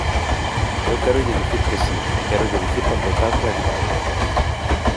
Eu quérolle dicir que si, e quérollo dicir con total claridade.